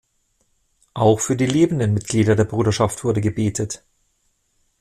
Auch für die lebenden Mitglieder der Bruderschaft wurde gebetet.